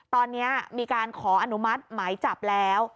ตอนนี้มีการขออนุมัติหมายจับแล้ว